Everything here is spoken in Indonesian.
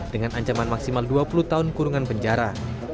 dengan ancaman maksimal dua puluh tahun kurungan penjara